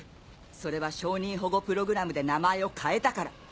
それは証人保護プログラムで名前を変えたから。